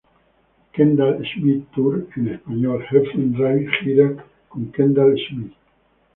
Kendall Schmidt Tour—en Español: Heffron Drive gira con Kendall Schmidt.